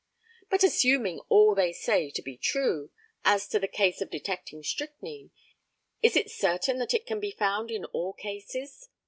But, assuming all they say to be true, as to the case of detecting strychnine, is it certain that it can be found in all cases?